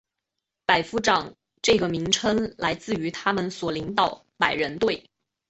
百夫长这个名称来自于他们所领导百人队。